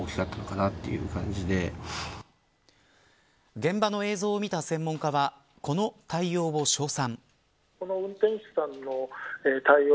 現場の映像を見た専門家はこの対応を称賛。